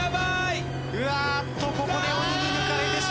うわっとここで鬼に抜かれてしまった。